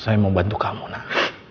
saya mau bantu kamu lah